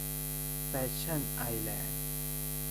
แฟชั่นไอส์แลนด์